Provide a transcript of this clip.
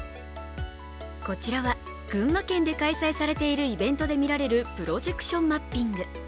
こちらは、群馬県で開催されているイベントで見られるプロジェクションマッピング。